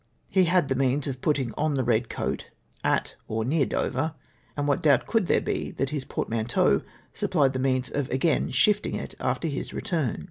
'' He had the means of putting on the red coat at or near Dover, and what doubt could there l)e that his ]:)ortmanteau supj^lied the means of asfain shiftinii' it after his return